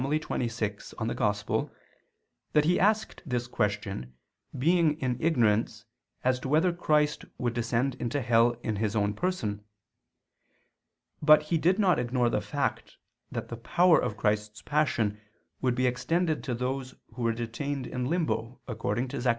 xxvi in Evang.) that he asked this question, being in ignorance as to whether Christ would descend into hell in His own Person. But he did not ignore the fact that the power of Christ's Passion would be extended to those who were detained in Limbo, according to Zech.